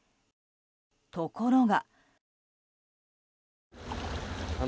ところが。